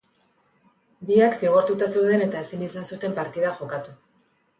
Biak zigortuta zeuden eta ezin izan zuten partida jokatu.